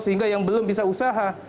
sehingga yang belum bisa usaha